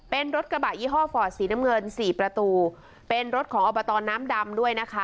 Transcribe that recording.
เป็นรถกระบะยี่ห้อฟอร์ดสีน้ำเงินสี่ประตูเป็นรถของอบตน้ำดำด้วยนะคะ